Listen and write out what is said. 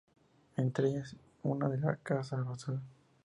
Entre ellas una en la Casa Rosada.